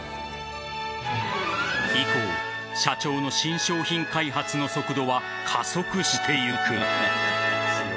以降、社長の新商品開発の速度は加速していく。